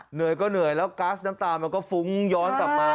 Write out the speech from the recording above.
เหนื่อยก็เหนื่อยแล้วก๊าซน้ำตามันก็ฟุ้งย้อนกลับมา